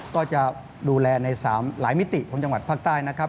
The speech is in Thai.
ก็จะดูแลใน๓หลายมิติของจังหวัดภาคใต้นะครับ